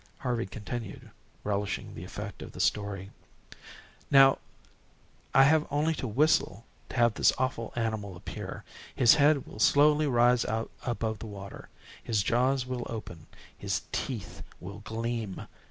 Harvey continued, relishing the effect of his story: "Now I have only to whistle to have the awful animal appear. His head will slowly rise above the water. His jaws will open. His teeth will gleam.